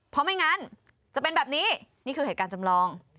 เพราะไม่งั้นจะเป็นแบบนี้นี่คือเหตุการณ์จำลอง